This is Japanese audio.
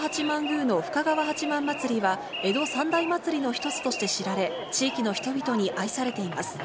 富岡八幡宮の深川八幡祭りは、江戸三大祭りの一つとして知られ、地域の人々に愛されています。